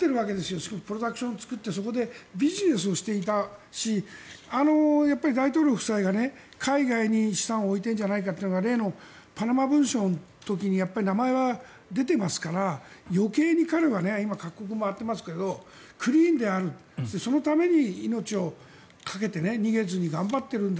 しかもプロダクションを作ってそこでビジネスをしていたし大統領夫妻が海外に資産を置いているんじゃないかというのが例のパナマ文書の時に名前は出ていますから余計に彼は今、各国を回ってますけどクリーンであるそのために命をかけて逃げずに頑張ってるんだ。